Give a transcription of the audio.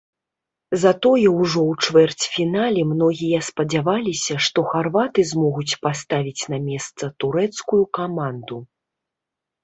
Затое ўжо ў чвэрцьфінале многія спадзяваліся, што харваты змогуць паставіць на месца турэцкую каманду.